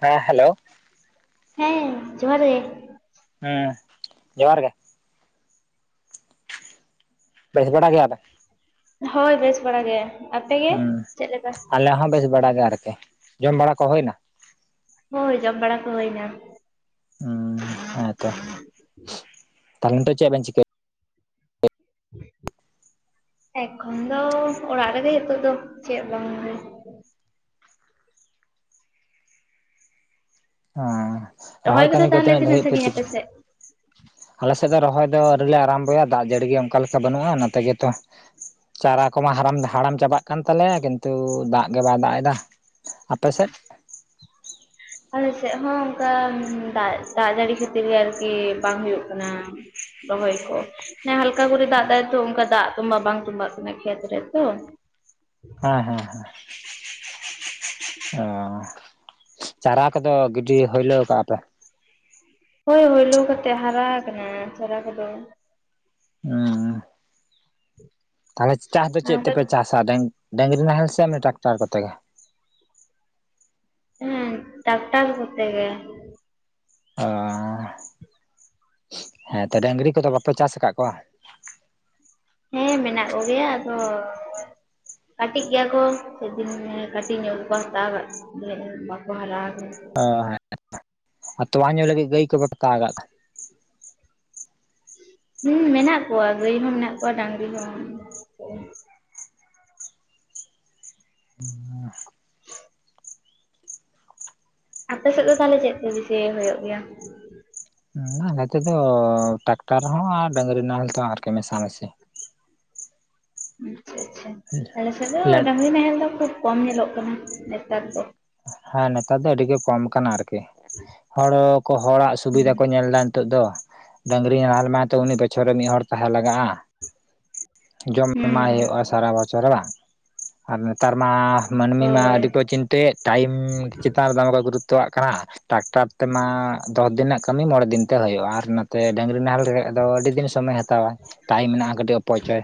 ᱦᱮᱸ ᱦᱮᱞᱳ᱾ ᱦᱮᱸ ᱡᱚᱦᱟᱨ ᱜᱮ᱾ ᱦᱮᱸ ᱡᱚᱦᱟᱨ ᱜᱮ᱾ ᱵᱮᱥ ᱵᱟᱲᱟ ᱜᱮᱭᱟ ᱵᱮᱱ? ᱦᱳᱭ ᱵᱮᱥ ᱵᱟᱲᱟ ᱜᱮ᱾ ᱟᱯᱮ ᱜᱮ ᱦᱩᱸ ᱪᱮᱫ ᱞᱮᱠᱟ? ᱟᱞᱮ ᱦᱚᱸ ᱵᱮᱥ ᱵᱟᱲᱟ ᱜᱮ ᱟᱨᱠᱤ, ᱡᱚᱢ ᱵᱟᱲᱟ ᱠᱚ ᱦᱳᱭᱱᱟ? ᱦᱳᱭ ᱡᱚᱢ ᱵᱟᱲᱟ ᱠᱚ ᱦᱳᱭᱱᱟ᱾ ᱦᱩᱸ ᱦᱮᱸᱛᱚ ᱛᱟᱞᱦᱮ ᱱᱤᱛᱚᱜ ᱪᱮᱫ ᱵᱤᱱ ᱪᱤᱠᱟᱹ ᱮᱠᱷᱚᱱ ᱫᱚ ᱚᱲᱟᱜ ᱨᱮᱜᱮ ᱱᱤᱛᱳᱜ ᱫᱚ ᱪᱮᱫ ᱵᱟᱝ ᱜᱮ᱾ ᱦᱚᱸᱻ ᱨᱚᱦᱚᱭ ᱠᱚᱫᱚ ᱠᱟᱹᱢᱤ ᱠᱚ ᱛᱟᱦᱚᱞᱮ ᱛᱤᱱᱟᱹᱜ ᱫᱷᱟᱵᱤᱡ ᱯᱮ ᱥᱟᱺᱜᱤᱧ ᱥᱤ ᱟᱯᱮ ᱠᱮᱫᱟ? ᱥᱮᱫ? ᱟᱞᱮ ᱥᱮᱫ ᱫᱚ ᱨᱚᱦᱚᱭ ᱫᱚ ᱟᱹᱣᱨᱤ ᱟᱨᱟᱢᱵᱚᱭᱟ ᱫᱟᱜ ᱡᱟᱹᱲᱤ ᱜᱮ ᱚᱱᱠᱟ ᱞᱮᱠᱟ ᱵᱟᱹᱱᱩᱜ-ᱟ ᱚᱱᱟ ᱛᱮᱜᱮ ᱛᱚ᱾ ᱪᱟᱨᱟ ᱠᱚᱢᱟ ᱦᱟᱲᱟᱢ, ᱦᱟᱨᱟᱢ ᱪᱟᱵᱟᱜ ᱠᱟᱱ ᱛᱟᱞᱮᱭᱟ ᱠᱤᱱᱛᱩ ᱫᱟᱜ ᱜᱮ ᱵᱟᱭ ᱫᱟᱜ ᱮᱫᱟ᱾ ᱟᱯᱮ ᱥᱮᱫ? ᱟᱞᱮᱥᱮᱫ ᱦᱚᱸ ᱚᱱᱠᱟ ᱫᱟᱜ ᱡᱟᱹᱲᱤ ᱠᱷᱟᱹᱛᱤᱨ ᱜᱮ ᱟᱨᱠᱤ ᱵᱟᱝ ᱦᱩᱭᱩᱜ ᱠᱟᱱᱟ᱾ ᱨᱚᱦᱚᱭ ᱠᱚ ᱚᱱᱮ ᱦᱟᱞᱠᱟ ᱠᱚᱨᱮ ᱫᱟᱜ ᱫᱟᱭ ᱛᱚ ᱚᱱᱠᱟ ᱫᱟᱜ ᱛᱚᱸᱵᱟ ᱵᱟᱝ ᱛᱚᱸᱵᱟᱜ ᱠᱟᱱᱟ ᱠᱷᱮᱛ ᱨᱮᱛᱚ᱾ ᱦᱮᱸ ᱦᱮᱸ ᱦᱮᱸ᱾ ᱚ, ᱪᱟᱨᱟ ᱠᱚᱫᱚ ᱜᱤᱰᱤ ᱦᱩᱭᱞᱟᱹᱣ ᱠᱟᱜ-ᱟ ᱯᱮ? ᱦᱳᱭ ᱦᱩᱭᱞᱳ ᱠᱟᱛᱮᱜ ᱦᱟᱨᱟ ᱟᱠᱟᱱᱟ ᱪᱟᱨᱟ ᱠᱚᱫᱚ᱾ ᱛᱟᱦᱞᱮ ᱪᱟᱥ ᱫᱚ ᱟᱨ ᱪᱮᱫ ᱚᱱᱠᱟ ᱛᱮᱯᱮ ᱪᱟᱥᱟ ᱰᱟᱝ, ᱰᱟᱝᱨᱤ ᱱᱟᱦᱮᱞ ᱥᱮ ᱚᱱᱮ ᱴᱨᱟᱠᱴᱟᱨ ᱠᱚᱛᱮ ᱜᱮ᱾ ᱦᱩᱸ, ᱴᱟᱠᱴᱟᱨ ᱠᱚᱛᱮ ᱜᱮ᱾ ᱚ, ᱦᱮᱸ ᱛᱚ ᱰᱟᱝᱨᱤ ᱠᱚᱫᱚ ᱵᱟᱯᱮ ᱪᱟᱥ ᱟᱠᱟᱜ ᱠᱚᱣᱟ? ᱦᱮᱸ ᱢᱮᱱᱟᱜ ᱠᱚᱜᱮᱭᱟ ᱟᱫᱚ ᱠᱟᱹᱴᱤᱡ ᱜᱮᱭᱟ ᱠᱚ ᱥᱮᱫᱤᱱ ᱠᱟᱹᱴᱤᱡ ᱧᱚᱜ ᱜᱮᱠᱚ ᱦᱟᱛᱟᱣ ᱠᱟᱫ ᱫᱷᱮᱨ ᱧᱚᱜ ᱵᱟᱠᱚ ᱦᱟᱨᱟᱣ ᱠᱟᱱᱟ᱾ ᱚ, ᱦᱮᱸ ᱟᱨ ᱛᱚᱣᱟ ᱧᱩ ᱞᱟᱹᱜᱤᱫ ᱜᱟᱹᱭ ᱠᱚ ᱵᱟᱢ ᱦᱟᱛᱟᱣ ᱠᱟᱜ ᱠᱚᱣᱟ? ᱦᱩᱸ ᱢᱮᱱᱟᱜ ᱠᱚᱣᱟ ᱜᱟᱹᱭ ᱦᱚᱸ ᱢᱮᱱᱟᱜ ᱠᱚᱣᱟ ᱰᱟᱹᱝᱨᱤ ᱦᱚᱸ ᱦᱩᱸ [inaudible] ᱟᱯᱮ ᱥᱮᱫ ᱫᱚ ᱛᱟᱦᱞᱮ ᱪᱮᱫ ᱠᱚ ᱵᱤᱥᱤ ᱦᱩᱭᱩᱜ ᱜᱮᱭᱟ? ᱩᱸᱻ ᱱᱚᱛᱮ ᱫᱚ ᱴᱟᱠᱴᱟᱨ ᱦᱚᱸ ᱟᱨ ᱰᱟᱹᱝᱨᱤ ᱱᱟᱦᱮᱞ ᱛᱮ ᱟᱨᱠᱤ ᱢᱮᱥᱟ ᱢᱤᱥᱤ᱾ ᱟᱪᱪᱷᱟ ᱟᱪᱪᱷᱟ ᱟᱞᱮ ᱥᱮᱫ ᱫᱚ ᱰᱟᱹᱟᱝᱨᱤ ᱱᱟᱦᱮᱞ ᱫᱚ ᱠᱷᱩᱵ ᱠᱚᱢ ᱧᱮᱞᱚᱜ ᱠᱟᱱᱟ ᱱᱮᱛᱟᱨ ᱫᱚ᱾ ᱦᱮᱸ ᱱᱮᱛᱟᱨ ᱫᱚ ᱟᱹᱰᱤ ᱜᱮ ᱠᱚᱢ ᱠᱟᱱᱟ ᱟᱨᱠᱤ ᱦᱚᱲ ᱦᱚᱸ ᱠᱚ ᱦᱚᱲᱟᱜ ᱥᱩᱵᱤᱫᱟ ᱦᱩᱸ ᱠᱚ ᱧᱮᱞᱫᱟ ᱱᱤᱛᱳᱜ ᱫᱚ ᱰᱟᱹᱝᱨᱤ ᱱᱟᱦᱮᱞ ᱢᱟᱱᱮ ᱛᱚ ᱩᱱᱤ ᱵᱚᱪᱷᱚᱨ ᱨᱮ ᱢᱤᱫ ᱦᱚᱲ ᱛᱟᱦᱮᱸ ᱞᱟᱜᱟᱜ-ᱟ᱾ ᱡᱚᱢ ᱮᱢᱟᱭ ᱦᱩᱸ ᱦᱩᱭᱩᱜᱼᱟ ᱥᱟᱨᱟ ᱵᱚᱪᱷᱚᱨ ᱵᱟᱝ ᱟᱨ ᱱᱮᱛᱟᱨ ᱢᱟ- ᱢᱟᱹᱱᱢᱤ ᱢᱟ ᱦᱳᱭ ᱟᱹᱰᱤ ᱠᱚ ᱪᱤᱱᱛᱟᱹᱭᱮᱫ ᱴᱟᱭᱤᱢ ᱪᱮᱛᱟᱱ ᱨᱮ ᱫᱚᱢᱮ ᱠᱚ ᱜᱩᱨᱩᱛᱛᱚᱣᱟᱜ ᱠᱟᱱᱟ᱾ ᱴᱟᱠᱴᱟᱨ ᱛᱮᱢᱟ ᱫᱚᱥ ᱫᱤᱱᱟᱜ ᱠᱟᱹᱢᱤ ᱢᱚᱬᱮ ᱫᱤᱱᱛᱮ ᱦᱩᱭᱩᱜᱼᱟ ᱟᱨ ᱱᱚᱛᱮ ᱰᱟᱹᱝᱨᱤ ᱱᱟᱦᱮᱞ ᱨᱮᱭᱟᱜ ᱫᱚ ᱟᱹᱰᱤ ᱫᱤᱱ ᱥᱚᱢᱚᱭᱮ ᱦᱟᱛ ᱛᱟᱣᱟ, ᱴᱟᱭᱤᱢ ᱢᱮᱱᱟᱜ-ᱟ ᱠᱟᱹᱴᱤᱡ ᱚᱯᱚᱪᱚᱭ᱾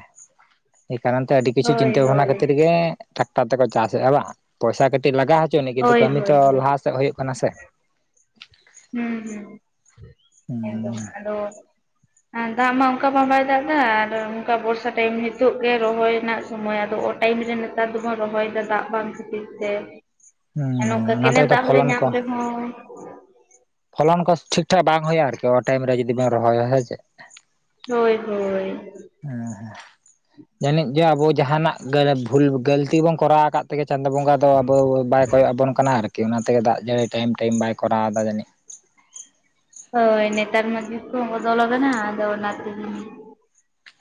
ᱮ ᱠᱟᱨᱚᱱ ᱛᱮ ᱟᱹᱰᱤ ᱠᱤᱪᱷᱩ ᱦᱳᱭ ᱪᱤᱱᱛᱟᱹ ᱵᱷᱟᱵᱽᱱᱟ ᱦᱳᱭ ᱠᱷᱟᱹᱛᱤᱨ ᱜᱮ ᱴᱨᱟᱠᱴᱟᱨ ᱛᱮᱠᱚ ᱪᱟᱥᱮᱜ-ᱟ ᱵᱟ ᱯᱚᱭᱥᱟ ᱠᱟᱹᱴᱤᱡ ᱞᱟᱜᱟᱜ ᱦᱚᱪᱚ ᱟᱹᱱᱤᱡ ᱠᱤᱱᱛᱩ ᱦᱳᱭ ᱦᱳᱭ ᱠᱟᱹᱢᱤ ᱦᱳᱭ ᱛᱚ ᱞᱟᱦᱟ ᱥᱮᱜ ᱦᱩᱭᱩᱜ ᱠᱟᱱᱟ ᱥᱮ᱾ ᱦᱩᱸ ᱦᱩᱸ ᱮᱠᱫᱚᱢ ᱦᱩᱸ ᱟᱫᱚ ᱦᱮᱸ ᱫᱟᱜ ᱢᱟ ᱚᱝᱠᱟ ᱢᱟ ᱵᱟᱭ ᱫᱟᱜ-ᱫᱟ ᱟᱨ ᱚᱝᱠᱟ ᱵᱚᱨᱥᱟ ᱴᱟᱭᱤᱢ ᱦᱤᱛᱳᱜ ᱜᱮ ᱨᱚᱦᱚᱭ ᱨᱮᱱᱟᱜ ᱥᱚᱢᱚᱭ ᱟᱫᱚ ᱴᱟᱭᱤᱢ ᱨᱮ ᱱᱮᱛᱟᱨ ᱫᱚᱵᱚᱱ ᱨᱚᱦᱚᱭᱫᱟ ᱫᱟᱜ ᱵᱟᱝ ᱠᱷᱟᱹᱛᱤᱨ ᱛᱮ᱾ ᱦᱩᱸ ᱟᱨ ᱦᱩᱸ ᱱᱚᱝᱠᱟ ᱚᱱᱟ ᱠᱮᱱᱮᱞ ᱛᱮᱜᱮ ᱛᱚ ᱫᱟᱜ ᱦᱚᱸᱞᱮ ᱯᱷᱚᱞᱚᱱ ᱧᱟᱢ ᱠᱚ ᱨᱮᱦᱚᱸ ᱯᱷᱚᱞᱚᱱ ᱠᱚ ᱴᱷᱤᱠ ᱴᱷᱟᱠ ᱵᱟᱝ ᱦᱩᱭᱩᱜ-ᱟ ᱟᱨᱠᱤ ᱚ-ᱴᱟᱭᱤᱢ ᱨᱮ ᱡᱩᱫᱤ ᱵᱟᱝ ᱨᱚᱦᱚᱭᱭᱟ ᱦᱮᱸᱥᱮ᱾ ᱦᱳᱭ ᱦᱳᱭ᱾ ᱦᱩᱸ ᱦᱩᱸ ᱡᱟᱹᱱᱤᱡ ᱡᱮ ᱟᱵᱚ ᱡᱟᱦᱟᱱᱟᱜ ᱵᱷᱩᱞ ᱜᱟᱹᱞᱛᱤ ᱵᱚᱱ ᱠᱚᱨᱟᱣ ᱠᱟᱫ ᱛᱮᱜᱮ ᱪᱟᱸᱫᱚ ᱵᱚᱸᱜᱟ ᱫᱚ ᱟᱵᱚ ᱵᱟᱭ ᱠᱚᱭᱚᱜ-ᱟᱵᱚᱱ ᱠᱟᱱᱟ ᱟᱨᱠᱤ ᱚᱱᱟᱛᱮᱜᱮ ᱫᱟᱜ ᱡᱟᱹᱲᱤ ᱴᱟᱭᱤᱢ ᱴᱟᱭᱤᱢ ᱵᱟᱭ ᱠᱚᱨᱟᱣᱫᱟ ᱡᱟᱹᱱᱤᱡ᱾ ᱦᱳᱭ ᱱᱮᱛᱟᱨ ᱢᱟ ᱡᱩᱜᱽ ᱠᱚ ᱦᱚᱸ ᱵᱚᱫᱚᱞ ᱠᱟᱱᱟ ᱟᱫᱚ ᱚᱱᱟ ᱛᱮᱜᱤ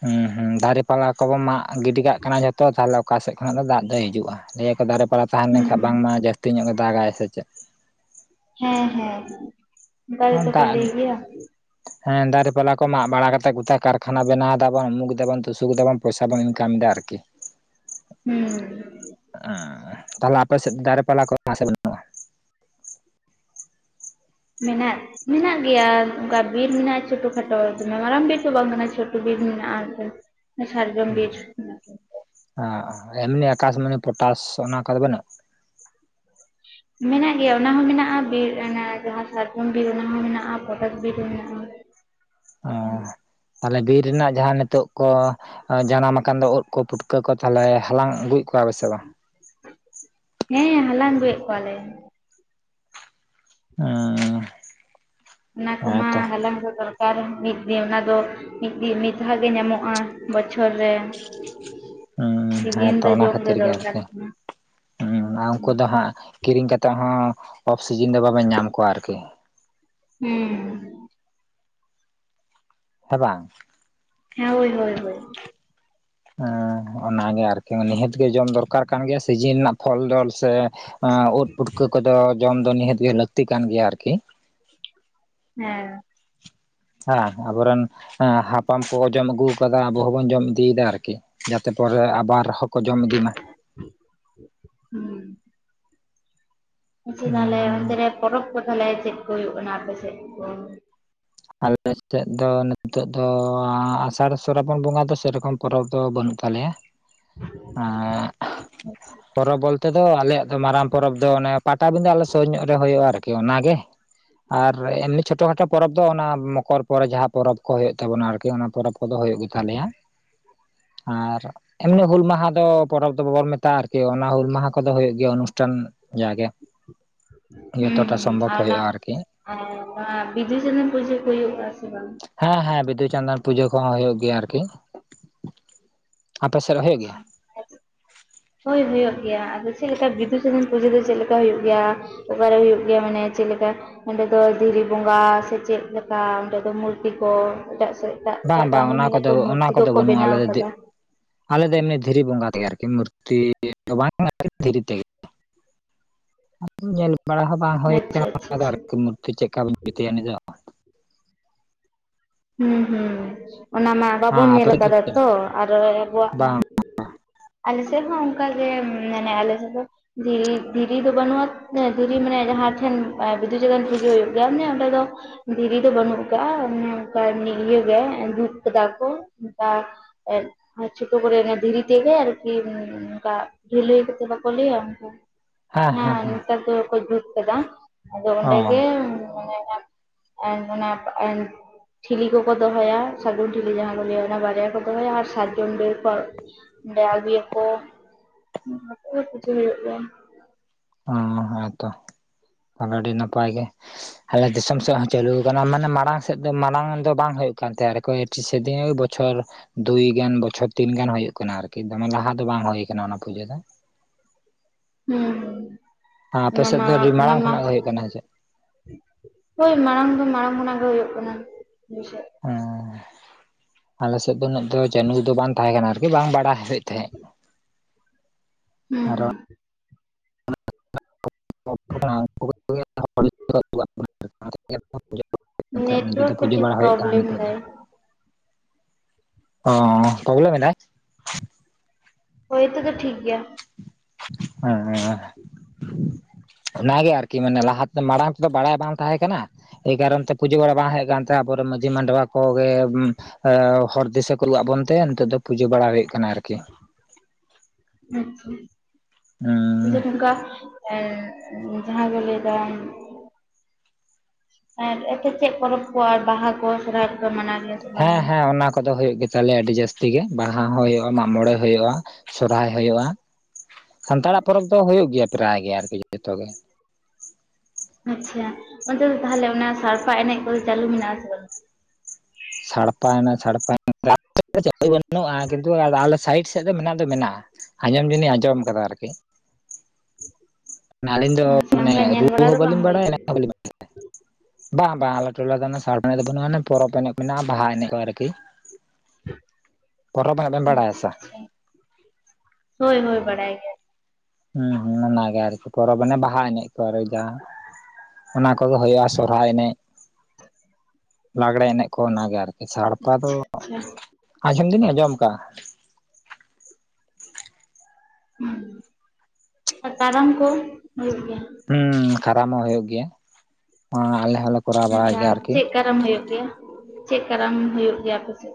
ᱦᱩᱸ ᱦᱩᱸ ᱫᱟᱨᱮ ᱯᱟᱞᱟ ᱠᱚᱵᱚ ᱢᱟᱜ ᱜᱤᱰᱤ ᱠᱟᱜ ᱠᱟᱱᱟ ᱡᱷᱚᱛᱚ ᱛᱟᱦᱞᱮ ᱚᱠᱟᱥᱮᱡ ᱠᱷᱚᱱᱟᱜ ᱫᱚ ᱫᱟᱜ ᱫᱚ ᱦᱤᱡᱩᱷ-ᱟ ᱞᱟᱹᱭᱟᱠᱚ ᱫᱟᱨᱮ ᱯᱟᱞᱟ ᱛᱟᱦᱮᱱ ᱞᱮᱱᱠᱷᱟ ᱦᱩᱸ ᱵᱟᱝᱢᱟ ᱡᱟᱹᱥᱛᱤ ᱧᱚᱜ ᱜᱮ ᱫᱟᱜᱟᱭ ᱥᱮ ᱪᱮᱫ᱾ ᱦᱮᱸ ᱦᱮᱸ᱾ ᱚᱱᱠᱟ ᱦᱟᱱ ᱜᱮᱛᱚ ᱠᱚ ᱫᱟᱜ ᱞᱟᱹᱭ ᱜᱮᱭᱟ ᱦᱮᱸ ᱫᱟᱨᱮ ᱯᱟᱞᱟ ᱠᱚ ᱢᱟᱜ ᱵᱟᱲᱟ ᱠᱟᱛᱮᱫ ᱠᱟᱨᱠᱷᱟᱱᱟ ᱵᱮᱱᱟᱣ ᱫᱟᱵᱚᱱ ᱩᱢᱩᱜ ᱫᱟᱵᱚᱱ ᱛᱩᱥᱩᱠ ᱵᱟᱵᱚᱱ, ᱯᱚᱭᱥᱟ ᱵᱚ ᱤᱱᱠᱟᱢ ᱮᱫᱟ ᱟᱨᱠᱤ, ᱦᱩᱸ, ᱮᱸ ᱛᱟᱦᱞᱮ ᱟᱯᱮ ᱥᱮᱫ ᱫᱟᱨᱮ ᱯᱟᱞᱟ ᱠᱚ ᱢᱮᱱᱟᱜ ᱥᱮ ᱵᱟᱱᱩᱜ-ᱟ, ᱢᱮᱱᱟᱜ, ᱢᱮᱱᱟᱜ ᱜᱮᱭᱟ ᱚᱱᱠᱟ ᱵᱤᱨ ᱢᱮᱱᱟᱜᱼᱟ ᱪᱷᱴᱳ ᱠᱷᱟᱴᱳ ᱫᱚᱢᱮ ᱢᱟᱨᱟᱝ ᱵᱤᱨ ᱫᱚ ᱵᱟᱝ ᱠᱟᱱᱟ ᱪᱷᱴᱳ ᱵᱤᱨ ᱢᱮᱱᱟᱜᱼᱟ, ᱥᱟᱨᱡᱚᱢ ᱵᱤᱨ, ᱢᱮᱱᱟᱜᱼᱟ᱾ ᱦᱚᱸ ᱮᱢᱱᱤ ᱟᱠᱟᱥ ᱢᱚᱱᱤ ᱯᱚᱴᱟᱥ ᱚᱱᱟ ᱠᱚᱫᱚ ᱵᱟᱱᱩᱜᱼᱟ, ᱢᱮᱱᱟᱜ ᱜᱮᱭᱟ ᱚᱱᱟ ᱦᱚᱸ ᱢᱮᱱᱟᱜᱼᱟ ᱵᱤᱨ ᱚᱱᱟ ᱡᱟᱦᱟᱸ ᱥᱟᱟᱨᱡᱚᱢ ᱵᱤᱨ ᱚᱱᱟ ᱦᱚᱸ ᱢᱮᱱᱟᱜᱼᱟ ᱯᱚᱴᱚᱠ ᱵᱤᱨ ᱦᱚᱸ ᱢᱮᱱᱟᱜᱼᱟ, [unintelligible] ᱚ ᱛᱟᱦᱚᱞᱮ ᱵᱤᱨ ᱨᱮᱱᱟᱜ ᱡᱟᱦᱟᱸ ᱱᱤᱛᱚᱜ ᱠᱚ ᱡᱟᱱᱟᱢ ᱟᱠᱟᱱ ᱫᱚ ᱩᱫ ᱠᱚ ᱯᱩᱴᱠᱟᱹ ᱠᱚ ᱛᱟᱦᱞᱮ ᱦᱟᱞᱟᱝ ᱟᱹᱜᱩᱭᱮᱫ ᱠᱚᱣᱟ ᱵᱮᱥᱮ ᱵᱟᱝ, ᱦᱮᱸ ᱦᱟᱞᱟᱝ ᱟᱹᱜᱩᱭᱮᱫ ᱠᱚᱣᱟᱞᱮ, ᱦᱮᱸᱻ ᱚᱱᱟ ᱠᱚᱢᱟ ᱦᱟᱞᱟᱝ ᱥᱚᱫᱚᱨ ᱟᱨ ᱢᱤᱫ ᱫᱤᱱ ᱚᱱᱟ ᱫᱚ ᱢᱤᱫ ᱫᱤᱱ ᱢᱤᱫ ᱫᱷᱟᱣ ᱜᱮ ᱧᱟᱢᱚᱜᱼᱟ ᱵᱚᱪᱷᱚᱨ ᱨᱮ, [unintelligible] ᱦᱩᱸ ᱥᱤᱡᱤᱱ ᱦᱮᱸᱛᱚ ᱫᱚ ᱚᱱᱟ ᱡᱚᱢ ᱫᱚ ᱠᱷᱟᱹᱛᱤᱨ ᱜᱮ ᱫᱚᱨᱠᱟᱨ ᱠᱟᱱᱟ ᱦᱩᱸ ᱟᱨ ᱩᱱᱠᱩ ᱫᱚ ᱦᱟᱸᱜ - ᱠᱤᱨᱤᱧ ᱠᱟᱛᱮᱫ ᱦᱚᱸ ᱚᱯᱷᱥᱤᱡᱤᱱ ᱫᱚ ᱵᱟᱵᱮᱱ ᱧᱟᱢ ᱠᱚᱣᱟ ᱟᱨᱠᱤ, ᱦᱩᱸ ᱦᱮᱸ ᱵᱟᱝ, ᱦᱮᱸ ᱦᱳᱭ ᱦᱳᱭ ᱦᱳᱭ, ᱦᱮᱸ ᱚᱱᱟᱜᱮ ᱟᱨᱠᱤ ᱱᱤᱦᱟᱹᱛ ᱜᱮ ᱡᱚᱢ ᱫᱚᱨᱠᱟᱨ ᱠᱟᱱ ᱜᱮᱭᱟ ᱥᱤᱡᱤᱱ ᱨᱮᱱᱟᱜ ᱯᱷᱚᱞ ᱰᱚᱞ ᱥᱮ, ᱳᱫ ᱯᱩᱴᱠᱟᱹ ᱠᱚᱫᱚ ᱡᱚᱢ ᱫᱚ ᱱᱤᱦᱟᱹᱛ ᱜᱮ ᱞᱟᱹᱠᱛᱤ ᱠᱟᱱ ᱜᱮᱭᱟ ᱟᱨᱠᱤ, ᱦᱮᱸ ᱦᱮᱸ ᱟᱵᱚ ᱨᱮᱱ, ᱦᱮᱸ ᱦᱟᱯᱲᱟᱢ ᱠᱚ ᱡᱚᱢ ᱟᱹᱜᱩ ᱠᱟᱫᱟ ᱟᱵᱚ ᱦᱚᱸᱵᱚᱱ ᱡᱚᱢ ᱤᱫᱤᱭᱮᱫᱟ ᱟᱨᱠᱤ ᱡᱟᱛᱮ ᱯᱚᱨᱮ ᱟᱵᱟᱨ, ᱦᱚᱸᱠᱚ ᱡᱚᱢ ᱤᱫᱤ ᱢᱟ, ᱦᱩᱸ ᱟᱪᱪᱷᱟ ᱛᱟᱦᱞᱮ ᱦᱩᱸ ᱚᱱᱛᱮ ᱨᱮ ᱯᱚᱨᱚᱵᱽ ᱠᱚ ᱛᱟᱦᱚᱞᱮ ᱪᱮᱫ ᱠᱚ ᱦᱩᱭᱩᱜ ᱠᱟᱱᱟ ᱟᱯᱮ ᱥᱮᱫ ᱠᱚ, ᱟᱞ ᱥᱮᱫ ᱫᱚ ᱱᱤᱛᱚᱜ ᱫᱚ ᱟᱥᱟᱲ ᱥᱨᱟᱵᱚᱱ ᱵᱚᱸᱜᱟ ᱫᱚ ᱥᱮᱨᱚᱠᱚᱢ ᱯᱚᱨᱚᱵᱽ ᱫᱚ ᱵᱟᱹᱱᱩᱜ ᱛᱟᱞᱮᱭᱟ, ᱮᱸᱜ ᱯᱚᱨᱚᱵᱽ ᱵᱚᱞᱛᱮ ᱫᱚ ᱟᱞᱮᱭᱟᱜ ᱫᱚ ᱢᱟᱨᱟᱝ ᱯᱚᱨᱚᱵᱽ ᱵᱚᱞᱛᱮ ᱫᱚ ᱟᱞᱮᱭᱟᱜ ᱫᱚ ᱢᱟᱨᱟᱜ ᱯᱚᱨᱚᱵ ᱫᱚ ᱯᱟᱴᱟᱵᱤᱸᱫᱟᱹ ᱟᱞᱮ ᱥᱩᱨ ᱧᱚᱜ ᱨᱮ ᱦᱩᱭᱩᱜᱼᱟ ᱟᱨᱠᱤ, ᱚᱱᱟ ᱜᱮ ᱟᱨ ᱮᱢᱱᱤ ᱪᱷᱳᱴᱳ ᱠᱷᱟᱴᱳ ᱯᱚᱨᱚᱵᱽ ᱫᱚ ᱚᱱᱟ ᱢᱚᱠᱚᱨ, ᱯᱚᱨᱮ ᱡᱟᱦᱟᱸ ᱯᱚᱨᱚᱵᱽ ᱠᱚ ᱦᱩᱭᱩᱜ ᱛᱟᱵᱚᱱᱟ ᱟᱨᱠᱤ ᱚᱱᱟ ᱯᱚᱨᱚᱵᱽ ᱠᱚᱫᱚ ᱦᱩᱭᱩᱜ ᱜᱮᱛᱟᱞᱮᱭᱟ ᱟᱨ, ᱮᱢᱱᱤ ᱦᱩᱞ ᱢᱟᱦᱟ ᱫᱚ ᱯᱚᱨᱚᱵᱽ ᱫᱚ ᱵᱟᱵᱚᱱ ᱢᱮᱛᱟᱜᱼᱟ ᱟᱨᱠᱤ ᱚᱱᱟ ᱦᱩᱞ ᱢᱟᱦᱟ ᱠᱚᱫᱚ ᱦᱳᱭ ᱜᱮᱭᱟ ᱚᱱᱩᱥᱴᱷᱟᱱ, ᱡᱟᱜᱮ ᱦᱩᱸ ᱡᱚᱛᱚᱴᱟ ᱥᱚᱢᱵᱷᱚᱵ ᱟᱨ ᱚᱱᱟ ᱦᱩᱭᱩᱜᱼᱟ ᱟᱨᱠᱤ, ᱟᱨ ᱚᱱᱟ ᱵᱤᱫᱩᱼᱪᱟᱸᱫᱟᱱ ᱯᱩᱡᱟᱹ ᱠᱚ ᱦᱩᱭᱩᱜ ᱟ ᱥᱮ ᱵᱟᱝ? ᱦᱮᱸ ᱦᱮᱸ ᱵᱤᱫᱩ ᱪᱟᱸᱫᱟᱱ ᱯᱩᱡᱟᱹ ᱠᱚᱦᱚᱸ ᱦᱩᱭᱩᱜ ᱜᱮᱭᱟ ᱟᱨᱠᱤ ᱟᱯᱮ ᱥᱮᱫ ᱦᱳᱭᱳᱜ ᱜᱮᱭᱟ, ᱦᱳᱭ ᱦᱩᱭᱩᱜ ᱜᱮᱭᱟ ᱟᱫᱚ ᱪᱮᱫ ᱞᱮᱠᱟ ᱵᱤᱫᱩᱼᱪᱟᱸᱫᱟᱱ ᱯᱩᱡᱟᱹ ᱫᱚ ᱪᱮᱫ ᱞᱮᱠᱟ ᱦᱩᱭᱩᱜ ᱜᱮᱭᱟ, ᱚᱠᱟᱨᱮ ᱦᱩᱭᱩᱜ ᱜᱮᱭᱟ ᱢᱟᱱᱮ ᱪᱮᱫ ᱞᱮᱠᱟ, ᱚᱸᱰᱮ ᱫᱚ ᱫᱷᱤᱨᱤ ᱵᱚᱸᱜᱟ ᱥᱮ ᱪᱮᱫᱮ ᱞᱮᱠᱟ ᱚᱸᱰᱮ ᱫᱚ ᱢᱩᱨᱛᱤ ᱠᱚ ᱮᱴᱟᱜ ᱥᱮᱫ, ᱮᱴᱟᱜ ᱮᱴᱟᱜ ᱵᱟᱝ ᱟᱠᱟ ᱵᱟᱝ ᱚᱱᱟ ᱧᱩᱱᱟ ᱛᱚ ᱠᱚᱫᱚ ᱚᱱᱟ ᱢᱩᱨᱛᱤ ᱠᱚᱫᱚ ᱫᱚᱠᱚ ᱵᱟᱹᱱᱩᱜᱼᱟ ᱵᱮᱱᱟᱣ ᱟᱞᱮ ᱫᱚ ᱟᱠᱟᱫᱟ, ᱟᱞᱮ ᱫᱚ ᱮᱢᱱᱤ ᱫᱷᱤᱨᱤ ᱵᱚᱸᱜᱟ ᱛᱮᱜᱮ ᱟᱨᱠᱤ ᱢᱩᱨᱛᱤ ᱵᱟᱝ ᱫᱷᱤᱨᱤ ᱛᱮᱜᱮ, [unintelligible] ᱧᱮᱞ ᱵᱟᱲᱟ ᱦᱚᱸ ᱵᱟᱝ ᱦᱩᱭ ᱟᱪᱪᱷᱟ ᱠᱟᱱᱟ ᱟᱪᱪᱷᱟ ᱚᱱᱟ ᱟᱪᱪᱷᱟ ᱟᱨᱠᱤ ᱢᱩᱨᱛᱤ ᱪᱮᱫᱠᱟ ᱡᱩᱛᱤᱭᱟ ᱩᱱᱤ ᱫᱚ, ᱦᱩᱸ ᱦᱩᱸ ᱚᱱᱟ ᱢᱟ, ᱵᱟᱵᱚᱱ ᱟᱯᱮ ᱧᱮᱞ ᱫᱚ ᱠᱟᱫᱟ ᱪᱮᱫ ᱛᱚ ᱞᱮᱠᱟ ᱟᱨ ᱟᱵᱚᱣᱟᱜ ᱢᱟ, ᱵᱟᱝ ᱟᱞᱮ ᱥᱮᱜ ᱦᱚᱸ ᱚᱱᱠᱟ ᱜᱮ ᱢᱟᱱᱮ ᱟᱞᱮ ᱥᱮᱜ ᱫᱚ ᱫᱷᱤᱨᱤ ᱫᱷᱤᱨᱤ ᱫᱚ ᱵᱟᱹᱱᱩᱜᱼᱟ ᱫᱷᱤᱨᱤ ᱢᱟᱱᱮ ᱡᱟᱦᱟᱸᱴᱷᱮᱱ ᱵᱤᱫᱩᱪᱸᱱᱫᱚᱱ ᱯᱩᱡᱟᱹ ᱦᱩᱭᱩᱜ ᱜᱮᱭᱟ ᱢᱟᱱᱮ ᱚᱸᱰᱮ ᱫᱚ, ᱫᱷᱤᱨᱤ ᱫᱚ ᱵᱟᱹᱱᱩᱜ ᱟᱠᱟᱜ ᱚᱱᱮ ᱚᱱᱠᱟ ᱤᱭᱟᱹ ᱜᱮ ᱫᱩᱵ ᱠᱟᱫᱟ ᱠᱚ ᱚᱱᱠᱟ, ᱪᱤ ᱠᱚ ᱯᱚᱨᱮ ᱨᱮ ᱫᱷᱤᱨᱤ ᱛᱮ ᱜᱮ ᱟᱨᱠᱤ ᱚᱱᱠᱟ ᱰᱷᱤᱞᱤ ᱠᱚᱛᱮ ᱵᱟᱠᱚ ᱞᱟᱹᱭᱟ᱾ ᱦᱮᱸ, ᱦᱮᱸ ᱱᱮᱛᱟᱨ ᱫᱚᱠᱚ ᱡᱩᱛ ᱠᱟᱫᱟ ᱟᱫᱚ ᱚ ᱚᱸᱱᱰᱮ ᱜᱮ, ᱮᱸ ᱚᱱᱟ ᱮᱱ, ᱴᱷᱤᱞᱤ ᱠᱚᱠᱚ ᱫᱚᱦᱚᱭᱟ ᱥᱟᱹᱜᱩᱱ ᱴᱷᱤᱞᱤ ᱠᱚᱠᱚ ᱫᱚᱦᱚᱭᱟ ᱥᱟᱹᱜᱩᱱ ᱴᱷᱤᱞᱤ ᱡᱟᱦᱟᱸ ᱠᱚ ᱞᱟᱹᱭᱟ ᱚᱱᱟ ᱵᱟᱨᱭᱟ ᱠᱚ ᱫᱚᱦᱚᱭᱟ ᱟᱨ ᱥᱟᱨᱡᱚᱢ ᱰᱟᱹᱨ ᱠᱚ ᱚᱸᱰᱮ ᱟᱜᱩᱭᱟᱠᱚ ᱚᱱᱟ ᱠᱚ ᱯᱩᱡᱟᱹ ᱦᱩᱭᱩᱜ ᱜᱮᱭᱟ᱾ ᱚᱸ ᱦᱚᱭᱛᱚ ᱚᱱᱟ ᱟᱹᱰᱤ ᱱᱟᱯᱟᱭ ᱜᱮ᱾ ᱟᱞᱮ ᱫᱤᱥᱚᱢ ᱥᱮᱫ ᱦᱚᱸ ᱪᱟᱹᱟᱞᱩ ᱟᱠᱟᱱᱟ ᱢᱟᱱᱮ ᱢᱟᱲᱟᱝ, ᱥᱮᱫ ᱫᱚ ᱢᱟᱲᱟᱝ ᱫᱚ ᱵᱟᱝ ᱦᱩᱭᱩᱜ ᱠᱟᱱ ᱛᱟᱭᱟ ᱟᱨ ᱮᱴᱤᱥᱤᱰᱤ ᱵᱚᱪᱷᱚᱨ ᱫᱩᱭ ᱜᱟᱱ ᱵᱚᱪᱷᱚᱨ ᱛᱤᱱᱜᱟᱱ ᱦᱳᱭ ᱠᱟᱱᱟ ᱟᱨᱠᱤ ᱫᱚᱢᱮ ᱞᱟᱦᱟ ᱫᱚ ᱵᱟᱝ ᱦᱩᱭ ᱠᱟᱱᱟ ᱚᱱᱟ ᱯᱩᱡᱟᱹ ᱫᱚ᱾ ᱦᱩᱸ ᱦᱩᱸ ᱟᱯᱮ ᱚᱱᱟ ᱥᱮᱫ ᱢᱟ ᱫᱚ ᱨᱤ ᱚᱱᱟ ᱢᱟᱲᱟᱝ ᱢᱟ ᱠᱷᱚᱱᱟᱜ ᱜᱮ ᱦᱩᱭᱩᱜ ᱠᱟᱱᱟ ᱪᱮᱜ? ᱦᱳᱭ ᱢᱟᱲᱟᱝ ᱫᱚ ᱢᱟᱲᱟᱝ ᱠᱷᱚᱱᱟᱜ ᱜᱮ ᱦᱩᱭᱩᱜ ᱠᱟᱱᱟ ᱟᱞᱮ ᱥᱮᱜ᱾ ᱚᱸ ᱟᱞᱮ ᱥᱮᱜ ᱫᱚ ᱩᱱᱟᱜ ᱫᱚ ᱪᱟᱱᱩ ᱫᱚ ᱵᱟᱝ ᱛᱟᱦᱮᱸ ᱠᱟᱱᱟ ᱟᱨᱠᱤ ᱵᱟᱝ ᱵᱟᱰᱟᱭᱮᱫ ᱛᱟᱦᱮᱸᱫ, ᱦᱩᱸ ᱟᱨ ᱦᱩᱸ, [inaudible] [inaudible] [inaudible] ᱦᱩᱸ ᱱᱤᱡᱮ ᱫᱚ ᱱᱮᱴᱣᱟᱨᱠ ᱯᱩᱡᱟᱹ ᱠᱟᱹᱴᱤᱡ ᱵᱟᱲᱟ ᱦᱩᱭᱩᱜ ᱠᱟᱱᱟ ᱯᱨᱚᱵᱞᱮᱢ ᱱᱮᱛᱮ ᱫᱚ, ᱫᱟᱭ ᱚᱸ ᱚᱸ ᱯᱚᱵᱞᱮᱢ ᱮᱱᱟᱭ᱾ ᱦᱳᱭ ᱛᱚᱵᱮ ᱴᱷᱤᱠ ᱜᱮᱭᱟ᱾ ᱦᱮᱸᱦᱮᱸ ᱦᱮᱸ ᱚᱱᱟᱜᱮ ᱟᱨᱠᱤ ᱢᱟᱱᱮ ᱞᱟᱦᱟᱛᱮ ᱢᱟᱲᱟᱝ ᱛᱮᱫᱚ ᱵᱟᱲᱟᱭ ᱵᱟᱝ ᱛᱟᱦᱮᱸ ᱠᱟᱱᱟ᱾ ᱮᱭ ᱠᱟᱨᱚᱱ ᱛᱮ ᱯᱩᱡᱟᱹ ᱵᱟᱲᱟ ᱵᱟᱝ ᱦᱮᱜ ᱠᱟᱱ ᱛᱟᱦᱮᱸ ᱟᱵᱚᱨᱮᱱ ᱢᱟᱺᱡᱷᱤ ᱢᱟᱰᱣᱟ ᱠᱚᱜᱮ, ᱦᱮᱸ ᱦᱚᱲ ᱫᱤᱥᱟᱹ ᱠᱚ ᱨᱩᱭᱟ ᱟᱵᱚᱱ ᱛᱮ ᱱᱤᱛᱚᱜ ᱫᱚ ᱯᱩᱡᱟᱹ ᱵᱟᱲᱟ ᱦᱩᱭᱩᱜ ᱠᱟᱱᱟ ᱟᱨᱠᱤ, ᱦᱩᱸ ᱦᱩᱸ [unintelligible] [unintelligible] ᱦᱮᱸ ᱦᱮᱸ ᱡᱟᱦᱟᱸ ᱠᱚ ᱞᱟᱹᱭᱫᱟ ᱟᱨ ᱮᱜᱴᱩ ᱪᱮᱜ ᱯᱚᱨᱚᱵᱽ ᱠᱚ ᱟᱨ ᱵᱟᱦᱟ ᱠᱚ ᱥᱚᱨᱦᱟᱭ ᱠᱚᱯᱮ ᱢᱟᱱᱟᱣ, ᱜᱮᱭᱟ ᱥᱮ ᱵᱟᱝ? ᱦᱮᱸ ᱦᱮᱸ ᱚᱱᱟ ᱠᱚᱫᱚ ᱦᱩᱭᱩᱜ ᱜᱮ, ᱛᱟᱞᱮ ᱟᱹᱰᱤ ᱡᱟᱹᱥᱛᱤ ᱜᱮ ᱵᱟᱦᱟ ᱦᱚᱸ ᱦᱩᱭᱩᱜᱼᱟ ᱢᱟᱜ ᱢᱚᱬᱮ ᱦᱩᱭᱩᱜᱼᱟ ᱥᱚᱨᱦᱟᱭ ᱦᱩᱭᱩᱜᱼᱟ᱾ ᱥᱟᱱᱛᱟᱲᱟᱜ ᱯᱚᱨᱚᱵᱽ ᱫᱚ ᱦᱩᱭᱩᱜ ᱜᱮᱭᱟ ᱯᱨᱟᱭ ᱜᱮ ᱟᱨᱠᱤ ᱡᱚᱛᱚ ᱜᱮ᱾ ᱟᱪᱪᱷᱟ ᱚᱱᱛᱮ ᱫᱚ ᱛᱟᱦᱚᱞᱮ ᱚᱱᱟ ᱥᱟᱲᱯᱟ ᱮᱱᱮᱜ ᱠᱚᱫᱚ ᱪᱟᱹᱞᱩ ᱢᱮᱱᱟᱜ ᱟᱥᱮ ᱵᱟᱝ? ᱥᱟᱲᱯᱟ ᱮᱱᱮᱜ ᱥᱟᱲᱯᱟ ᱮᱱᱮᱜ ᱟᱞᱮ ᱥᱮᱜ ᱫᱚ ᱪᱟ. ᱞᱩ ᱵᱟᱹᱱᱩᱜᱼᱟ ᱠᱤᱱᱛᱩ ᱟ ᱟᱞᱮ ᱥᱟᱭᱤᱰ, ᱮᱫ ᱫᱚ ᱢᱮᱱᱟᱜ ᱫᱚ ᱢᱮᱱᱟᱜᱼᱟ ᱟᱸᱡᱚᱢ ᱡᱤᱱᱤᱧ ᱟᱸᱡᱚᱢ ᱠᱟᱫᱟ ᱟᱨᱠᱤ, ᱱᱟᱹᱞᱤᱧ ᱫᱚ ᱟᱪᱪᱷᱟ ᱢᱟᱱᱮ ᱚᱱᱠᱟ ᱨᱩ ᱧᱮᱞ ᱵᱟᱲᱟ ᱦᱚᱸ ᱫᱚ ᱵᱟᱝ ᱵᱟᱹᱞᱤᱧ ᱦᱩᱭ ᱵᱟᱲᱟᱭᱟ ᱮᱱᱮᱜ ᱠᱟᱱᱟ ᱦᱚᱸ ᱵᱟᱹᱞᱤᱧ, [inaudible] ᱵᱟᱝ ᱵᱟᱝ ᱟᱞᱮ ᱴᱚᱞᱟ ᱫᱚ ᱥᱟᱲᱯᱟ ᱮᱱᱮᱜ ᱫᱚ ᱵᱟᱹᱱᱩᱜᱼᱟᱱᱮ ᱯᱚᱨᱚᱵᱽ ᱮᱱᱮᱜ ᱢᱮᱱᱟᱜᱼᱟ ᱵᱟᱦᱟ ᱮᱱᱮᱜ ᱠᱚ ᱟᱨᱠᱤ ᱯᱚᱨᱚᱵᱽ ᱵᱟᱵᱮᱱ ᱵᱟᱲᱟᱭᱟ ᱟᱪᱪᱷᱟ ᱥᱮ ᱵᱟᱝ? ᱟᱪᱪᱷᱟ ᱦᱳᱭ ᱦᱳᱭ ᱵᱟᱰᱟᱭ ᱜᱮ᱾ ᱦᱮᱸ ᱦᱮᱸ ᱚᱱᱟᱜᱮ ᱟᱨᱠᱤ ᱯᱚᱨᱚᱵᱽ ᱢᱟᱱᱮ ᱵᱟᱦᱟ ᱮᱱᱮᱜ ᱠᱚ ᱟᱨ ᱡᱟᱦᱟᱸ, ᱚᱱᱟ ᱠᱚᱜᱮ ᱦᱩᱭᱩᱜᱼᱟ ᱥᱚᱨᱦᱟᱭ ᱮᱱᱮᱜ ᱞᱟᱜᱽᱲᱮ ᱮᱱᱮᱜ ᱠᱚ ᱚᱱᱟᱜᱮ ᱟᱨ, ᱥᱟᱲᱯᱟ ᱫᱚ ᱟᱪᱪᱷᱟ ᱟᱸᱡᱚᱢ ᱫᱤᱱᱤᱧ ᱟᱸᱡᱚᱢ ᱠᱟᱜᱼᱟ᱾ ᱦᱩᱸ ᱟᱨ ᱠᱟᱨᱟᱢ ᱠᱚ ᱦᱩᱭᱩᱜ ᱜᱮᱭᱟ? ᱦᱩᱸ ᱠᱟᱨᱟᱢ ᱦᱚᱸ ᱦᱩᱭᱩᱜ ᱜᱮᱭᱟ, ᱱᱚᱣᱟ ᱟᱞᱮ ᱦᱚᱞᱮ ᱟᱪᱪᱷᱟ ᱪᱮᱫ ᱠᱟᱨᱟᱢ ᱦᱩᱭᱩᱜ ᱜᱮᱭᱟ? ᱪᱮᱫ ᱠᱟᱨᱟᱢ ᱦᱩᱭᱩᱜ ᱜᱮᱭᱟ ᱟᱯᱮ ᱥᱮᱫ?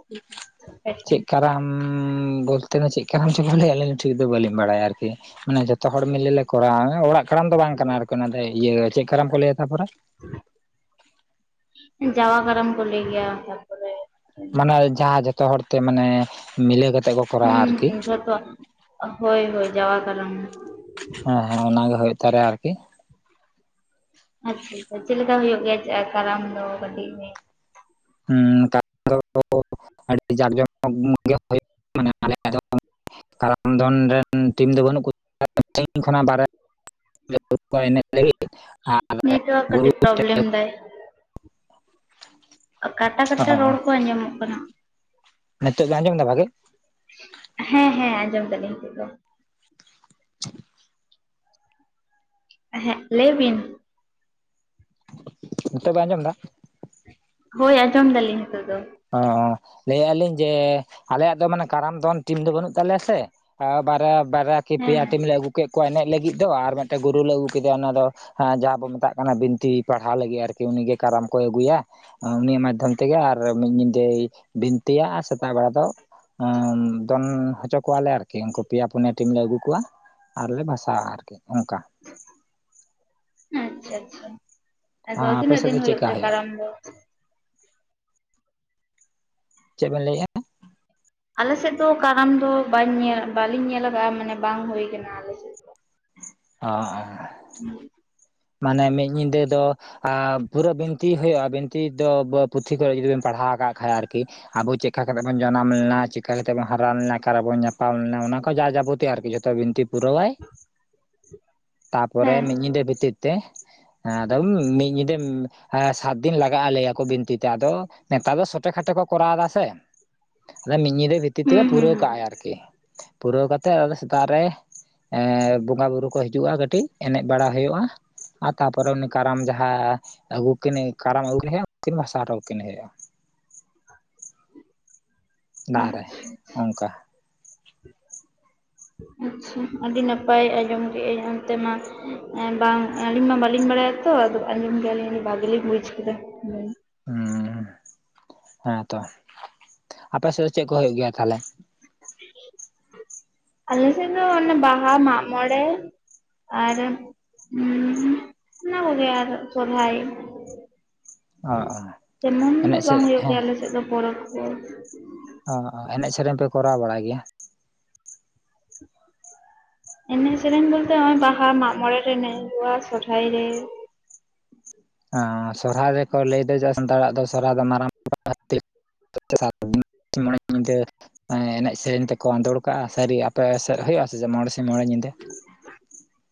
ᱪᱮᱫ ᱠᱟᱨᱟᱢ? [inaudible] ᱵᱚᱞᱛᱮ ᱫᱚ ᱪᱮᱫ ᱠᱟᱨᱟᱢ ᱪᱚᱠᱚ ᱞᱟᱹᱭᱟ ᱟᱹᱞᱤᱧ ᱴᱷᱤᱠ ᱫᱚ ᱵᱟᱹᱞᱤᱧ ᱵᱟᱲᱟᱭᱟ ᱟᱨᱠᱤ᱾ ᱢᱟᱱᱮ ᱡᱷᱚᱛᱚ ᱦᱚᱲ ᱢᱤᱞᱮ ᱞᱮ ᱠᱚᱨᱟᱣᱟ, ᱚᱲᱟᱜ ᱠᱟᱨᱟᱢ ᱫᱚ ᱵᱟᱝ ᱠᱟᱱᱟ ᱟᱨᱠᱤ, ᱚᱱᱟ ᱤᱭᱟᱹ ᱪᱮᱫ ᱠᱟᱨᱟᱢ ᱠᱚ ᱞᱟᱹᱭᱟ ᱛᱟᱯᱚᱨᱮ? ᱡᱟᱣᱟ ᱠᱟᱨᱟᱢ ᱠᱚ ᱞᱟ. ᱭ ᱜᱮᱭᱟ ᱚᱝᱠᱟ ᱫᱚ᱾ ᱢᱟᱱᱮ ᱡᱟᱦᱟᱸ ᱡᱷᱚᱛᱚ ᱦᱚᱲ ᱛᱮ ᱢᱟᱱᱮ ᱢᱤᱞᱟᱹ ᱠᱟᱛᱮᱜ ᱠᱚ ᱠᱚᱨᱟᱣᱟ ᱦᱩᱸ ᱟᱨᱠᱤ ᱡᱷᱚᱛᱚ ᱦᱳᱭ ᱦᱳᱭ ᱡᱟᱣᱟ ᱠᱟᱨᱟᱢ ᱦᱮᱸ ᱦᱮᱸ ᱚᱱᱟ ᱜᱮ ᱦᱳᱭ ᱛᱟᱦᱚᱞᱮ ᱟᱨᱠᱤ᱾ ᱟᱪᱪᱷᱟ ᱟᱪᱷᱟ ᱪᱮᱫᱠᱟ ᱫᱚ ᱦᱩᱭᱩᱜ ᱜᱮᱭᱟ ᱠᱟᱨᱟᱢ ᱫᱚ ᱠᱟᱹᱴᱤᱡ ᱦᱩᱸ ᱠᱟᱨᱟᱢ ᱫᱚ ᱟᱹᱰᱤ ᱡᱟᱠ ᱡᱚᱢᱚᱠ ᱜᱮ ᱦᱩᱭᱩᱜ ᱢᱟᱱᱮ ᱟᱞᱮᱭᱟᱜ ᱫᱚ ᱠᱟᱨᱟᱢ ᱫᱚᱱ ᱨᱮᱱ ᱴᱤᱢ ᱫᱚ ᱵᱟᱹᱱᱩᱜ [unintelligible] ᱠᱷᱚᱱᱟᱜ ᱵᱟᱭᱨᱮ [unintelligible] ᱠᱚ ᱮᱱᱮᱡ ᱞᱟᱹᱜᱤᱫ ᱟᱨ ᱱᱮᱴᱣᱟᱨᱠ ᱜᱩᱨᱩ ᱠᱟᱹᱴᱤᱡ [unintelligible] ᱯᱨᱚᱵᱞᱮᱢ ᱫᱟᱭ [inaudible] ᱠᱟᱴᱟ ᱠᱟᱴᱟ ᱨᱚᱲ ᱦᱚᱸ ᱠᱚ ᱟᱸᱡᱚᱢᱚᱜ ᱠᱟᱱᱟ᱾ ᱱᱤᱛᱚᱜ ᱫᱚ ᱟᱸᱡᱚᱢ ᱫᱟ ᱵᱷᱟᱜᱮ? ᱦᱮᱸ ᱦᱮᱸ ᱟᱸᱡᱚᱢ ᱫᱟᱞᱤᱧ ᱱᱤᱛᱚᱜ ᱫᱚ᱾ ᱦᱮᱸᱜ ᱞᱟᱹᱭ ᱵᱤᱱ᱾ ᱱᱤᱛᱳ ᱵᱮᱱ ᱟᱸᱡᱚᱢ ᱫᱟ᱾ ᱦᱳᱭ ᱟᱸᱡᱚᱢ ᱫᱟᱞᱤᱧ ᱱᱤᱛᱚᱜ ᱫᱚ᱾ ᱚ ᱞᱟᱹᱭᱮᱜᱼᱟ ᱞᱤᱧ ᱡᱮ ᱟᱞᱮᱭᱟᱜ ᱫᱚ ᱢᱟᱱᱮ ᱠᱟᱨᱟᱢ ᱫᱚᱱ ᱴᱤᱢ ᱫᱚ ᱵᱟᱹᱱᱩᱜ ᱛᱟᱞᱮᱭᱟ ᱥᱮ ᱟ ᱵᱟᱨᱭᱟ ᱵᱟᱨᱭᱟ ᱠᱤ ᱦᱮᱸ ᱯᱮᱭᱟ ᱦᱮᱸ ᱴᱤᱢ ᱞᱮ ᱟᱹᱜᱩ ᱠᱮᱜ ᱠᱚᱣᱟ ᱮᱱᱮᱡ ᱞᱟᱹᱜᱤᱫ ᱫᱚ ᱟᱨ ᱢᱤᱫᱴᱮᱱ ᱜᱩᱨᱩᱞ ᱞᱮ ᱟᱹᱜᱩ ᱠᱮᱫᱮᱭᱟ ᱚᱱᱟ ᱫᱚ ᱡᱟᱦᱟᱸ ᱵᱚ ᱢᱮᱛᱟᱜ ᱚᱱᱟ ᱵᱤᱱᱛᱤ ᱯᱟᱲᱦᱟᱣ ᱞᱟᱹᱜᱤᱫ ᱟᱨᱠᱤ ᱩᱱᱤᱜ ᱠᱟᱨᱟᱢ ᱠᱚᱭ ᱟᱹᱜᱩᱭᱟ ᱩᱱᱤᱤᱭᱟᱜ ᱢᱟᱫᱽᱫᱷᱚᱢ ᱛᱮᱜᱮ ᱟᱨ ᱢᱤᱫ ᱧᱤᱫᱟᱹᱭ ᱵᱤᱱᱛᱤᱭᱟ ᱟᱨ ᱥᱮᱛᱟᱜ ᱵᱟᱲᱟ ᱫᱚ ᱚᱸ ᱫᱚᱱ ᱦᱚᱪᱚ ᱠᱚᱣᱟᱞᱮ ᱟᱨᱠᱤ ᱩᱱᱠᱩ ᱯᱮᱭᱟ ᱯᱩᱱᱭᱟᱹ ᱴᱤᱢ ᱞᱮ ᱟᱹᱜᱩ ᱠᱚᱣᱟ᱾ ᱟᱨᱞᱮ ᱵᱷᱟᱥᱟᱣᱟ ᱟᱨᱠᱤ ᱚᱝᱠᱟ᱾ ᱦᱮᱸ ᱟᱪᱪᱷᱟ ᱟᱪᱪᱷᱟ᱾ ᱟᱫᱚ ᱟᱯᱮ ᱛᱤᱱᱟᱹᱜ ᱥᱮᱫ ᱫᱚ ᱫᱤᱱ ᱦᱩᱭᱩᱜ ᱪᱮᱫᱠᱟ ᱛᱮ ᱦᱩᱭᱩᱜᱼᱟ ᱠᱟᱨᱟᱢ ᱫᱚ? ᱪᱮᱫ ᱵᱮᱱ ᱞᱟᱹᱭᱮᱜᱼᱟ? ᱟᱞᱮᱥᱮᱫ ᱫᱚ ᱠᱟᱨᱟᱢ ᱫᱚ ᱵᱟᱹᱧ ᱧᱮᱞ ᱠᱟᱫᱟ ᱵᱟᱞᱤᱧ ᱧᱮᱞ ᱠᱟᱜᱼᱟ ᱢᱟᱱᱮ ᱵᱟᱝ ᱦᱩᱭ ᱠᱟᱱᱟ ᱟᱞᱮᱥᱮᱫ᱾ ᱚ ᱚ᱾ ᱩᱸᱜ᱾ ᱢᱟᱱᱮ ᱢᱤᱫ ᱧᱤᱫᱟᱹ ᱫᱚ ᱟᱸ ᱯᱩᱨᱟᱹ ᱵᱤᱱᱛᱤ ᱦᱩᱭᱩᱜᱼᱟ ᱵᱤᱱᱛᱤ ᱫᱚ ᱯᱩᱛᱷᱤ ᱠᱚᱨᱮ ᱡᱩᱫᱤ ᱵᱮᱢ ᱯᱟᱲᱦᱟᱣ ᱠᱟᱜ ᱠᱷᱟᱡ ᱟᱨᱠᱤ᱾ ᱟᱵᱚ ᱪᱮᱠᱟ ᱠᱟᱛᱮ ᱵᱚᱱ ᱡᱟᱱᱟᱢ ᱞᱮᱱᱟ ᱪᱤᱠᱟ ᱠᱟᱛᱮ ᱵᱚᱱ ᱦᱟᱨᱟ ᱞᱮᱱᱟ ᱚᱠᱟᱨᱵᱚᱱ ᱧᱟᱯᱟᱢ ᱞᱮᱱᱟ ᱚᱱᱟ ᱠᱚ ᱡᱟ ᱡᱟᱵᱚᱛᱤ ᱟᱨᱠᱤ ᱡᱷᱚ ᱛᱚ ᱵᱤᱱᱛᱤ ᱯᱩᱨᱟᱹᱣᱟᱭ [inaudible] ᱛᱟᱯᱚᱨᱮ ᱦᱮᱸ ᱢᱤᱫ ᱧᱤᱫᱟᱹ ᱵᱷᱤᱛᱤᱨ ᱛᱮ ᱮᱸ ᱢᱤᱫ ᱧᱤᱫᱟᱹ ᱮᱸ ᱥᱟᱛᱫᱤᱱ ᱞᱟᱜᱟᱜᱼᱟ ᱞᱟᱹᱭᱟᱠᱚ ᱵᱤᱱᱛᱤᱛᱮ ᱟᱫᱚ ᱱᱮᱛᱟᱨ ᱫᱚ ᱥᱚᱴᱮ ᱠᱷᱴᱮ ᱠᱚ ᱠᱚᱨᱟᱣ ᱫᱟ ᱥᱮ, ᱟᱫᱚ ᱢᱤᱫ ᱧᱤᱫᱟᱹ ᱵᱷᱤᱛᱤᱨ ᱦᱩᱸ ᱛᱮᱜᱮ ᱦᱩᱸ ᱦᱩᱸ ᱯᱩᱨᱟᱹᱣ ᱠᱟᱜᱼᱟᱭ ᱟᱨᱠᱤ ᱯᱩᱨᱟᱹᱣ ᱠᱟᱛᱮᱫ ᱟᱫᱚ ᱥᱮᱛᱟᱜ ᱨᱮ ᱮᱸ ᱵᱚᱸᱜᱟ ᱵᱩᱨᱩ ᱠᱚ ᱦᱤᱡᱩᱜᱼᱟ ᱠᱟᱹᱴᱤᱡ ᱮᱱᱮᱡ ᱵᱟᱲᱟ ᱦᱩᱭᱩᱜᱼᱟ ᱟᱨ ᱛᱟᱯᱚᱨᱮ ᱩᱱᱤ ᱠᱟᱨᱟᱢ ᱡᱟᱦᱟᱸ ᱟᱹᱜᱩ ᱠᱤᱱ ᱠᱟᱨᱟᱢ ᱟᱹᱜᱩ ᱩᱱᱠᱤᱱ ᱵᱷᱟᱥᱟ ᱟᱨᱚ ᱵᱷᱟᱥᱟ ᱠᱤᱱ ᱦᱚᱴᱚ ᱠᱟᱠᱤᱱ ᱦᱩᱭᱩᱜ-ᱟ᱾ ᱫᱟᱜ ᱨᱮ ᱟᱪᱪᱷᱟ ᱚᱝᱠᱟ ᱟᱪᱪᱷᱟ ᱟᱹᱰᱤ ᱱᱟᱯᱟᱭ ᱟᱸᱡᱚᱢ ᱠᱮ ᱟᱹᱧ ᱚᱱᱛᱮ ᱢᱟ ᱵᱟᱝ ᱟᱹᱞᱤᱧ ᱢᱟ ᱵᱟᱹᱞᱤᱧ ᱵᱟᱲᱟᱭᱟᱛᱚ ᱟᱫᱚ ᱟᱸᱡᱚᱢ ᱜᱮᱭᱟᱞᱤᱧ ᱟᱹᱰᱤ ᱵᱷᱟᱜᱤ ᱞᱤᱧ ᱵᱩᱡ ᱠᱮᱫᱟ᱾ ᱦᱩᱸ ᱦᱩᱸ ᱦᱮᱸᱛᱚ ᱟᱯᱮ ᱥᱮᱫ ᱫᱚ ᱪᱮᱫ ᱠᱚ ᱦᱩᱭᱩᱜ ᱜᱮᱭᱟ ᱛᱟᱦᱚᱞᱮ? ᱟᱞᱮ ᱥᱮᱫ ᱫᱚ ᱚᱱᱮ ᱵᱟᱦᱟ, ᱢᱟᱜ ᱢᱚᱬᱮ, ᱟᱨ ᱚᱱᱟ ᱠᱚᱜᱮ ᱟᱨ ᱥᱚᱨᱦᱟᱭ ᱚ ᱚ ᱮᱢᱚᱱ ᱫᱚ ᱮᱱᱮᱡ ᱵᱟᱝ ᱥᱮᱨᱮᱧ ᱦᱩᱭᱩᱜ ᱦᱮᱸ ᱜᱮᱭᱟ ᱟᱞᱮ ᱥᱮᱫ ᱫᱚ ᱯᱚᱨᱚᱵᱽ ᱠᱚ᱾ ᱚ ᱮᱱᱮᱡ ᱥᱮᱨᱮᱧ ᱯᱮ ᱠᱚᱨᱟᱣ ᱵᱟᱲᱟᱭ ᱜᱮᱭᱟ? ᱮᱱᱮᱡ ᱥᱮᱨᱮᱧ ᱵᱚᱞᱛᱮ ᱱᱚᱜ-ᱚᱭ ᱵᱟᱦᱟ ᱢᱟᱜ ᱢᱚᱬᱮ ᱨᱮ ᱮᱱᱮᱡ ᱦᱩᱭᱩᱜ-ᱟ ᱥᱚᱨᱦᱟᱭ ᱨᱮ ᱥᱚᱨᱦᱟᱭ ᱨᱮᱠᱚ ᱞᱟᱹᱭᱫᱟ ᱡᱮ ᱥᱟᱱᱛᱟᱲᱟᱜ ᱫᱚ ᱥᱚᱨᱦᱟᱭ ᱫᱚ ᱢᱟᱨᱟᱝ ᱢᱚᱬᱮ ᱧᱤᱫᱟᱹ [unintelligible] ᱮᱱᱮᱡ ᱥᱮᱨᱮᱧ ᱛᱮᱠᱚ ᱟᱸᱫᱳᱲ ᱠᱟᱜ-ᱟ ᱥᱟᱹᱨᱤ ᱟᱯᱮ ᱥᱮᱫ ᱦᱩᱭᱩᱜ-ᱟ ᱥᱮ ᱢᱚᱬᱮ ᱥᱤᱧ ᱢᱚᱬᱮ ᱧᱤᱫᱟᱹ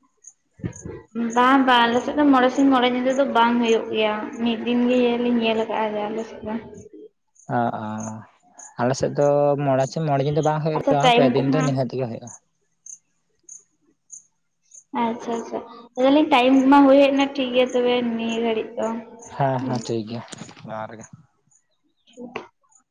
[unintelligible] ᱵᱟᱝ ᱵᱟᱝ ᱟᱞᱮᱥᱮᱫ ᱫᱚ ᱢᱚᱬᱮ ᱥᱤᱧ ᱢᱚᱲᱮ ᱧᱤᱫᱟᱹ ᱫᱚ ᱵᱟᱝ ᱦᱩᱭᱩᱜ ᱜᱮᱭᱟ ᱢᱤᱫ ᱫᱤᱱᱜᱮᱞᱤᱧ ᱧᱮᱞ ᱠᱟᱜ ᱟ ᱟᱞᱮᱥᱮᱫ ᱵᱟᱝ ᱟᱻᱟᱻ ᱟᱞᱮ ᱥᱮᱫ ᱫᱚ ᱢᱚᱬᱮ ᱢᱚᱬᱮ ᱫᱤᱱ ᱫᱚ ᱵᱟᱝ ᱦᱳᱭᱳᱜ ᱟᱪᱪᱷᱟ ᱨᱮ ᱦᱚ ᱴᱟᱭᱤᱢ ᱯᱮ ᱫᱤᱱ ᱫᱚ ᱠᱚᱢᱟ ᱱᱤᱦᱟᱹᱛ ᱜᱮ ᱦᱩᱭᱩᱜ-ᱟ᱾ [inaudible] ᱟᱪᱪᱷᱟ ᱟᱪᱪᱷᱟ ᱞᱟᱹᱭᱞᱤᱧ ᱴᱟᱭᱤᱢ ᱢᱟ ᱦᱩᱭ ᱦᱮᱡ ᱮᱱᱟ ᱴᱷᱤᱠ ᱜᱮᱭᱟ ᱛᱚᱵᱮ ᱱᱤᱭᱟᱹ ᱜᱷᱟᱹᱲᱤᱡ ᱫᱚ ᱦᱮᱸ ᱦᱩᱸ ᱦᱮᱸ ᱴᱷᱤᱠ ᱜᱮᱭᱟ ᱡᱚᱦᱟᱨ ᱜᱮ ᱴᱷᱤᱠ